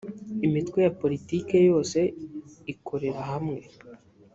imitwe ya politiki yose ikorerahamwe.